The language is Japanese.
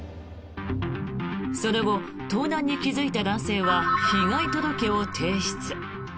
その後、盗難に気付いた男性は被害届を提出。